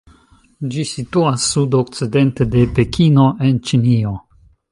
Ĝi situas sud-okcidente de Pekino en Ĉinio.